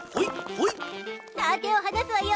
さあ手を離すわよ。